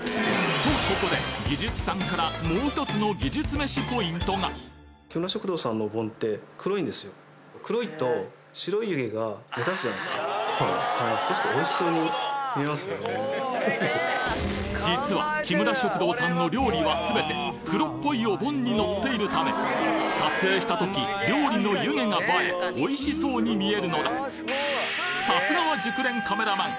とここで技術さんから実はきむら食堂さんの料理はすべて黒っぽいお盆にのっているため撮影した時料理の湯気が映えおいしそうに見えるのださすがは熟練カメラマン！